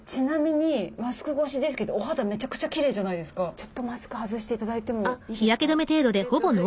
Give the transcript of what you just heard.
ちょっとマスク外して頂いてもいいですか？